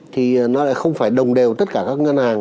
thì nó lại không phải đồng đều tất cả các ngân hàng